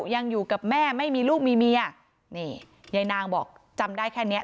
ยังอยู่กับแม่ไม่มีลูกมีเมียนี่ยายนางบอกจำได้แค่เนี้ย